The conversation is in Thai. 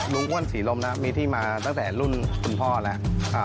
ลุงว่านสีลมน่ะมีที่มาตั้งแต่รุ่นคุณพ่อแล้วอ่า